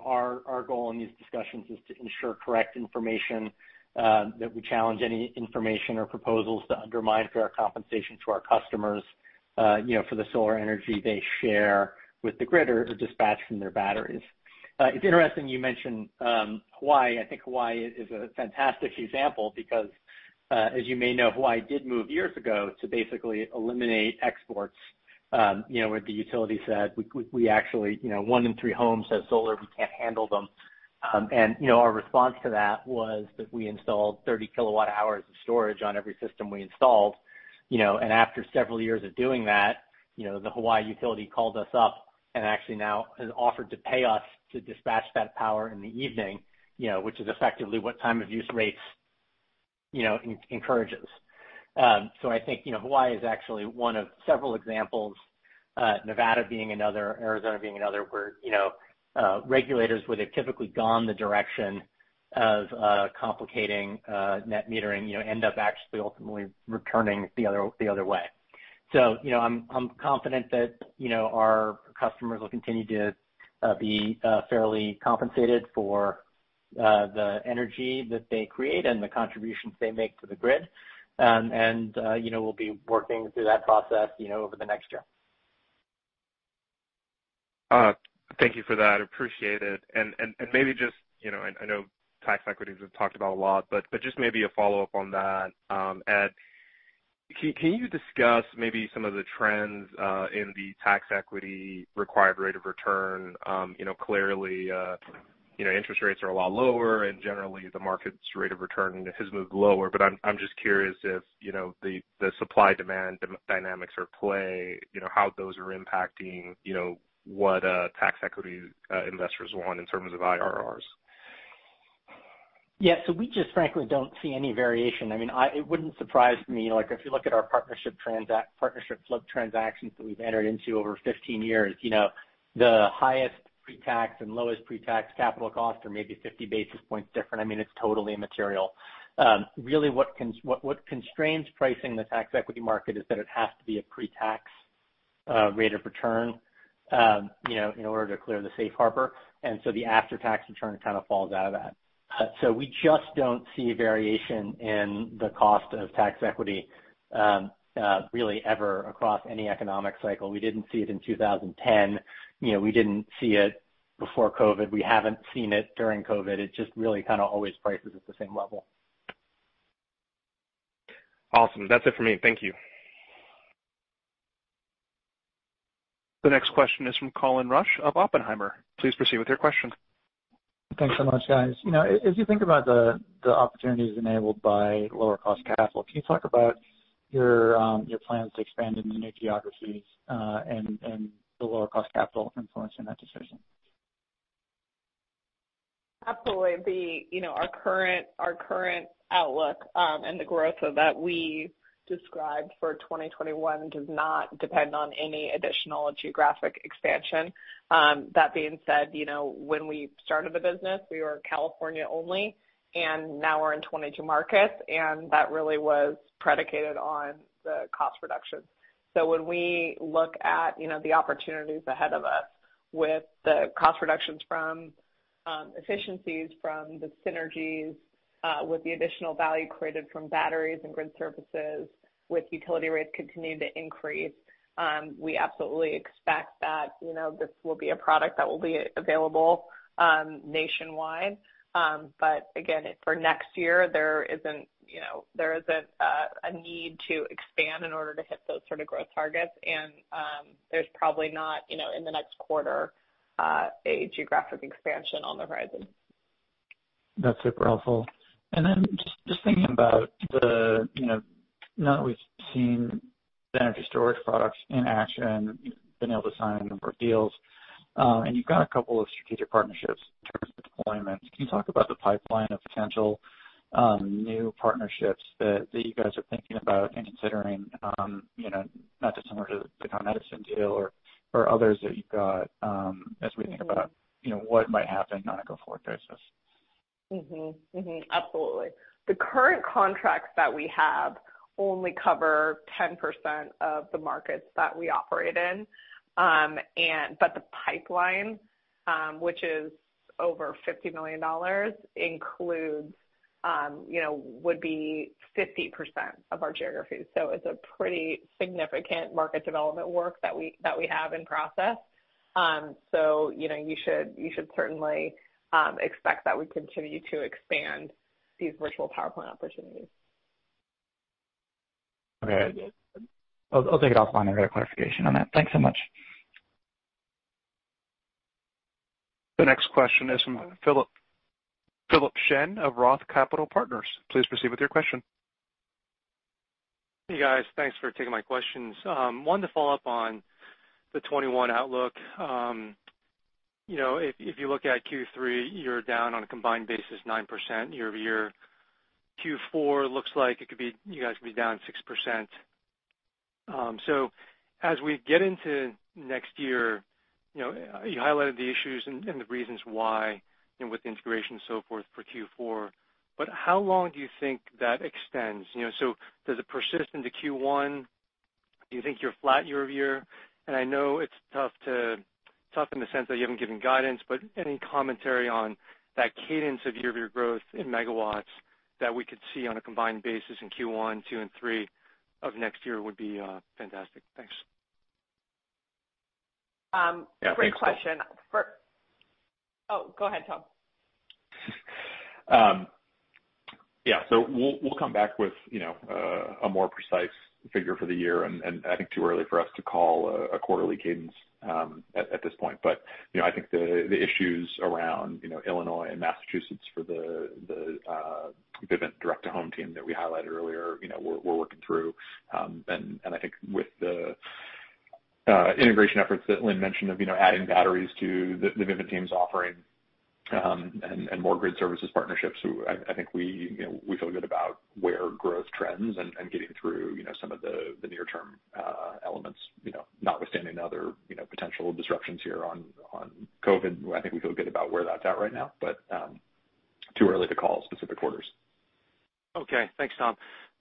our goal in these discussions is to ensure correct information, that we challenge any information or proposals that undermine fair compensation to our customers for the solar energy they share with the grid or dispatch from their batteries. It's interesting you mention Hawaii. I think Hawaii is a fantastic example because, as you may know, Hawaii did move years ago to basically eliminate exports, where the utility said, one in three homes has solar. We can't handle them. Our response to that was that we installed 30 kilowatt hours of storage on every system we installed. After several years of doing that, the Hawaii utility called us up and actually now has offered to pay us to dispatch that power in the evening, which is effectively what time of use rates encourages. I think Hawaii is actually one of several examples, Nevada being another, Arizona being another, where regulators would have typically gone the direction of complicating net metering end up actually ultimately returning the other way. I'm confident that our customers will continue to be fairly compensated for the energy that they create and the contributions they make to the grid. We'll be working through that process over the next year. Thank you for that. Appreciate it. I know tax equity we've talked about a lot, but just maybe a follow-up on that. Ed, can you discuss maybe some of the trends in the tax equity required rate of return? Clearly, interest rates are a lot lower, and generally, the market's rate of return has moved lower. I'm just curious if the supply-demand dynamics are at play, how those are impacting what tax equity investors want in terms of IRRs. Yeah. We just frankly don't see any variation. It wouldn't surprise me, if you look at our partnership flip transactions that we've entered into over 15 years, the highest pre-tax and lowest pre-tax capital costs are maybe 50 basis points different. It's totally immaterial. Really, what constrains pricing the tax equity market is that it has to be a pre-tax rate of return in order to clear the safe harbor. The after-tax return kind of falls out of that. We just don't see variation in the cost of tax equity really ever across any economic cycle. We didn't see it in 2010. We didn't see it before COVID. We haven't seen it during COVID. It just really kind of always prices at the same level. Awesome. That's it for me. Thank you. The next question is from Colin Rusch of Oppenheimer. Please proceed with your question. Thanks so much, guys. As you think about the opportunities enabled by lower cost capital, can you talk about your plans to expand into new geographies and the lower cost capital influencing that decision? Absolutely. Our current outlook and the growth of that we described for 2021 does not depend on any additional geographic expansion. That being said, when we started the business, we were California only, and now we're in 22 markets, and that really was predicated on the cost reduction. When we look at the opportunities ahead of us with the cost reductions from. Efficiencies from the synergies with the additional value created from batteries and grid services with utility rates continuing to increase. We absolutely expect that this will be a product that will be available nationwide. Again, for next year, there isn't a need to expand in order to hit those sort of growth targets, and there's probably not, in the next quarter, a geographic expansion on the horizon. That's super helpful. Just thinking about now that we've seen the energy storage products in action, you've been able to sign a number of deals. You've got a couple of strategic partnerships in terms of deployments. Can you talk about the pipeline of potential new partnerships that you guys are thinking about and considering, not dissimilar to the Consolidated Edison deal or others that you've got as we think about what might happen on a go-forward basis? Mm-hmm. Absolutely. The current contracts that we have only cover 10% of the markets that we operate in. The pipeline, which is over $50 million, would be 50% of our geography. It's a pretty significant market development work that we have in process. You should certainly expect that we continue to expand these virtual power plant opportunities. Okay. I'll take it offline. I got a clarification on that. Thanks so much. The next question is from Philip Shen of Roth Capital Partners. Please proceed with your question. Hey, guys. Thanks for taking my questions. One to follow up on the 2021 outlook. If you look at Q3, you're down on a combined basis 9% year-over-year. Q4 looks like you guys could be down 6%. As we get into next year, you highlighted the issues and the reasons why and with the integration and so forth for Q4, but how long do you think that extends? Does it persist into Q1? Do you think you're flat year-over-year? I know it's tough in the sense that you haven't given guidance, but any commentary on that cadence of year-over-year growth in megawatts that we could see on a combined basis in Q1, two, and three of next year would be fantastic. Thanks. Great question. Oh, go ahead, Tom. Yeah. We'll come back with a more precise figure for the year, and I think too early for us to call a quarterly cadence at this point. I think the issues around Illinois and Massachusetts for the Vivint direct to home team that we highlighted earlier, we're working through. I think with the integration efforts that Lynn mentioned of adding batteries to the Vivint team's offering and more grid services partnerships, I think we feel good about where growth trends and getting through some of the near-term elements, notwithstanding other potential disruptions here on COVID. I think we feel good about where that's at right now, but too early to call specific quarters. Okay, thanks, Tom.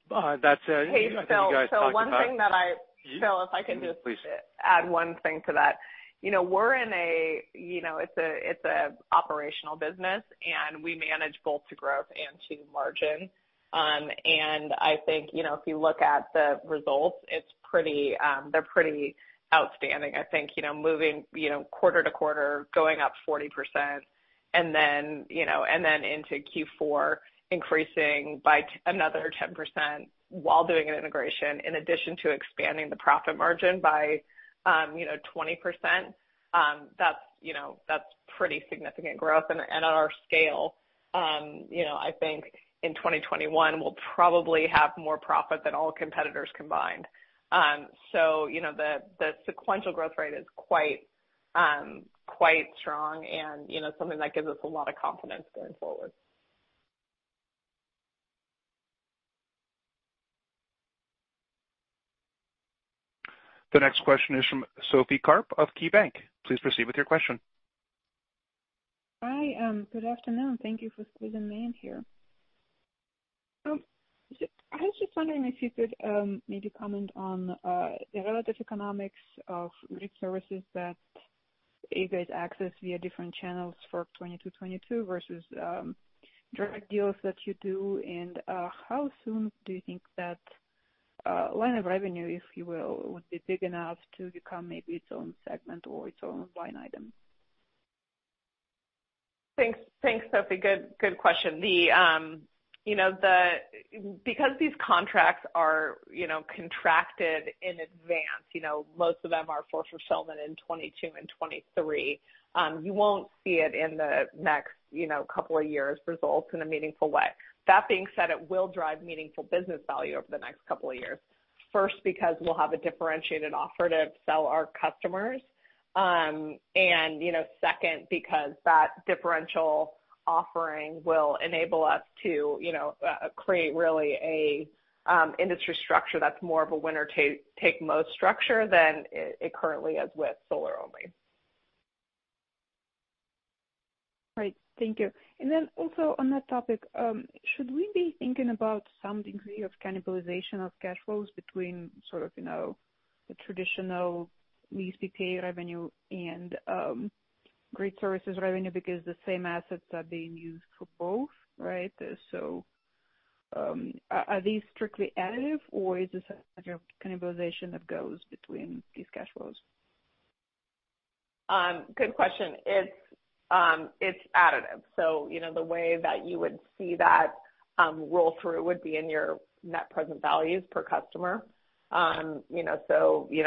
That's it. Hey, Phil, if I can. Please Add one thing to that. It's a operational business, and we manage both to growth and to margin. I think, if you look at the results, they're pretty outstanding. I think, moving quarter to quarter, going up 40% and then into Q4, increasing by another 10% while doing an integration, in addition to expanding the profit margin by 20%. That's pretty significant growth. At our scale, I think in 2021, we'll probably have more profit than all competitors combined. The sequential growth rate is quite strong and something that gives us a lot of confidence going forward. The next question is from Sophie Karp of KeyBanc. Please proceed with your question. Hi. Good afternoon. Thank you for squeezing me in here. I was just wondering if you could maybe comment on the relative economics of grid services that you guys access via different channels for 2022 versus direct deals that you do. How soon do you think that line of revenue, if you will, would be big enough to become maybe its own segment or its own line item? Thanks, Sophie. Good question. Because these contracts are contracted in advance, most of them are for fulfillment in 2022 and 2023. You won't see it in the next couple of years' results in a meaningful way. That being said, it will drive meaningful business value over the next couple of years. First, because we'll have a differentiated offer to sell our customers, and second, because that differential offering will enable us to create really a industry structure that's more of a winner-take-most structure than it currently is with solar only. Great. Thank you. Also on that topic, should we be thinking about some degree of cannibalization of cash flows between the traditional lease PPA revenue and grid services revenue because the same assets are being used for both, right? Are these strictly additive or is this a kind of cannibalization that goes between these cash flows? Good question. It's additive. The way that you would see that roll through would be in your net present values per customer.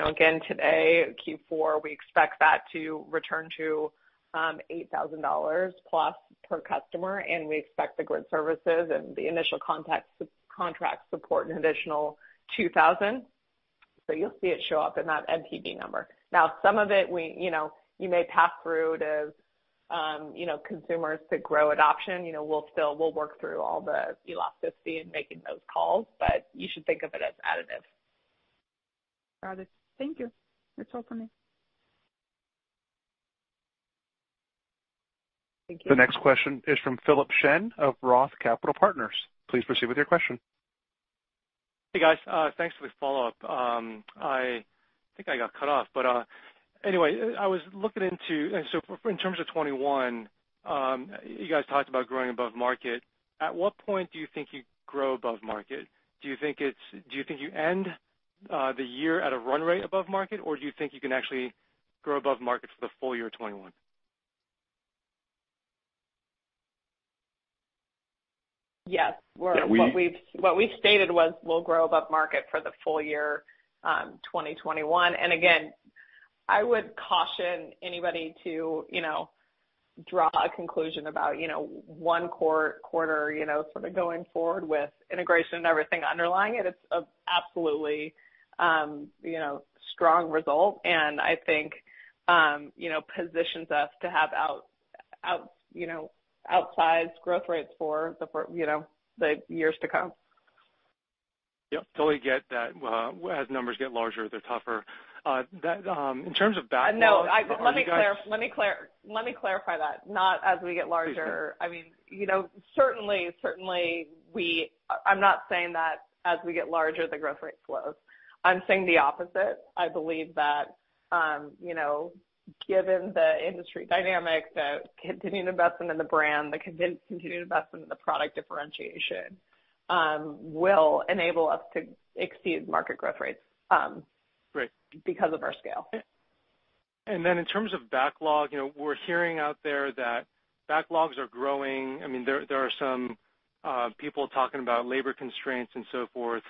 Again, today, Q4, we expect that to return to $8,000 plus per customer, and we expect the grid services and the initial contract support an additional $2,000. You'll see it show up in that NPV number. Some of it you may pass through to consumers to grow adoption. We'll work through all the elasticity in making those calls, but you should think of it as additive. Got it. Thank you. That's all for me. The next question is from Philip Shen of Roth Capital Partners. Please proceed with your question. Hey, guys. Thanks for the follow-up. I think I got cut off. Anyway, I was looking into, in terms of 2021, you guys talked about growing above market. At what point do you think you grow above market? Do you think you end the year at a run rate above market, or do you think you can actually grow above market for the full year of 2021? Yes. What we stated was we'll grow above market for the full year 2021. Again, I would caution anybody to draw a conclusion about one quarter sort of going forward with integration and everything underlying it. It's absolutely a strong result and I think positions us to have outsized growth rates for the years to come. Yep. Totally get that as numbers get larger, they're tougher. In terms of backlog. No. Let me clarify that. Not as we get larger. Please do. Certainly, I'm not saying that as we get larger, the growth rate slows. I'm saying the opposite. I believe that given the industry dynamics, the continued investment in the brand, the continued investment in the product differentiation will enable us to exceed market growth rates. Great Because of our scale. In terms of backlog, we're hearing out there that backlogs are growing. There are some people talking about labor constraints and so forth,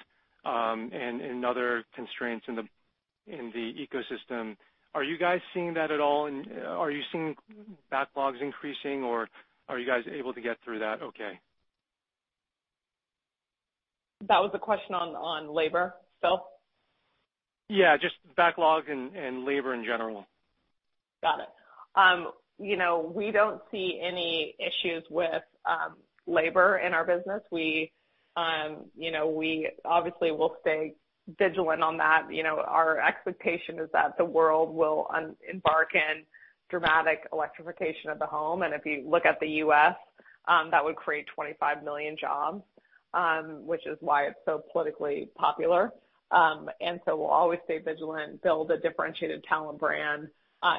and other constraints in the ecosystem. Are you guys seeing that at all? Are you seeing backlogs increasing, or are you guys able to get through that okay? That was a question on labor, Phil? Yeah, just backlog and labor in general. Got it. We don't see any issues with labor in our business. We obviously will stay vigilant on that. Our expectation is that the world will embark in dramatic electrification of the home, and if you look at the U.S., that would create 25 million jobs, which is why it's so politically popular. We'll always stay vigilant, build a differentiated talent brand,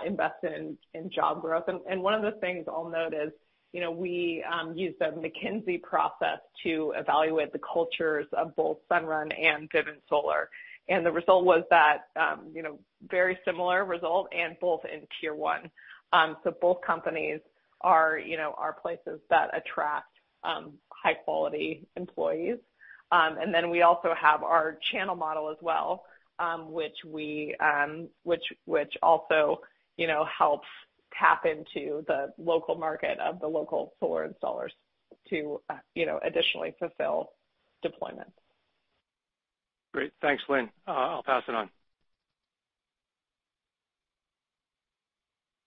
invest in job growth. One of the things I'll note is, we used a McKinsey process to evaluate the cultures of both Sunrun and Vivint Solar. The result was that very similar result and both in tier 1. Both companies are places that attract high-quality employees. We also have our channel model as well, which also helps tap into the local market of the local solar installers to additionally fulfill deployments. Great. Thanks, Lynn. I'll pass it on.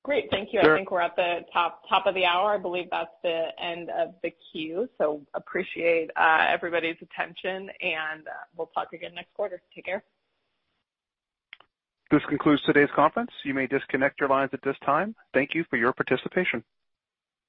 Great. Thank you. I think we're at the top of the hour. I believe that's the end of the queue. Appreciate everybody's attention, and we'll talk again next quarter. Take care. This concludes today's conference. You may disconnect your lines at this time. Thank you for your participation.